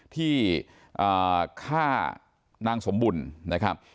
ที่ฆ่านางสมบุญนะครับ